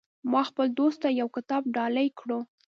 ما خپل دوست ته یو کتاب ډالۍ کړو